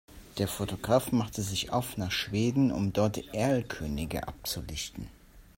Der Fotograf machte sich auf nach Schweden, um dort Erlkönige abzulichten.